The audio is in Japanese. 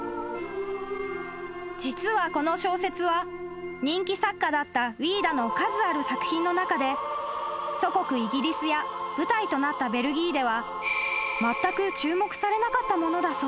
［実はこの小説は人気作家だったウィーダの数ある作品の中で祖国イギリスや舞台となったベルギーでは］